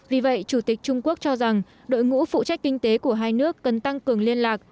vì vậy chủ tịch trung quốc cho rằng đội ngũ phụ trách kinh tế của hai nước cần tăng cường liên lạc